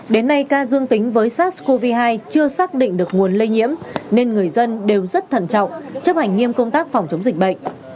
đến nay ca dương tính với sars cov hai chưa xác định được nguồn lây nhiễm nên người dân đều rất thận trọng chấp hành nghiêm công tác phòng chống dịch bệnh